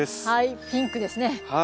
はいピンクですね。